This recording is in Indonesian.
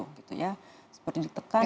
seperti ditekan seperti ditindih